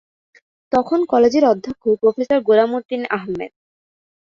তখন কলেজের অধ্যক্ষ প্রফেসর গোলাম উদ্দিন আহম্মেদ।